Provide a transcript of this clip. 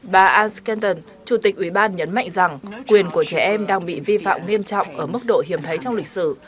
bà an scanton chủ tịch ủy ban nhấn mạnh rằng quyền của trẻ em đang bị vi phạm nghiêm trọng ở mức độ hiểm thấy trong lịch sử